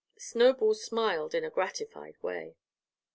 Snowball smiled in a gratified way.